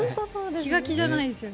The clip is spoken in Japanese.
気が気じゃないですね。